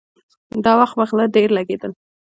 دا وخت به غله ډېر لګېدل.